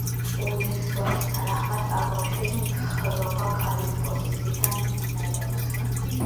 უილსონის თანახმად, ალბომში თხრობა ქალის პოზიციიდან მიმდინარეობს.